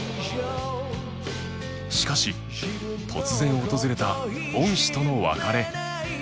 しかし突然訪れた恩師との別れ